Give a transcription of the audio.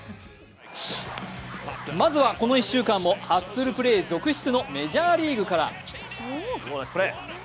まずはこの１週間もハッスルプレー続出のメジャーリーグから。